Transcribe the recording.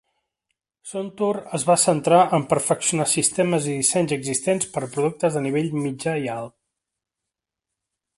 SunTour es va centrar en perfeccionar sistemes i dissenys existents per a productes de nivell mitjà i alt.